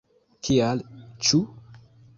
Kial, ĉu?